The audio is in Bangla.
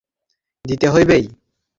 কাল সকালে কি ফুল তুলিয়া আনিয়া দিতে হইবে?